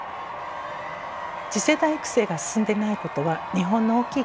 次世代育成が進んでいないことは日本の大きい課題です。